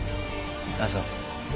ああそう。